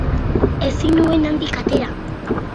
Ezin nuen handik atera.